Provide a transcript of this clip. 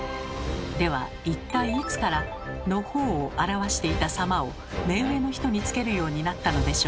では一体いつから「のほう」を表していた「様」を目上の人につけるようになったのでしょうか？